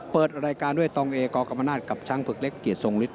เปิดรายการด้วยตองเอกอกรรมนาศกับช้างผึกเล็กเกียรติทรงฤทธ